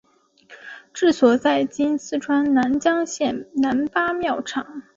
治所在今四川南江县南八庙场。